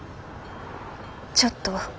ちょっと。